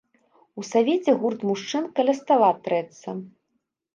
У савеце гурт мужчын каля стала трэцца.